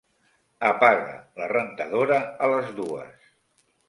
Apaga la rentadora a les dues.